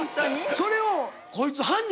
それをこいつ犯人